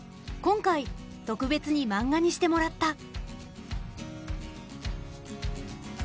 今回特別にマンガにしてもらった。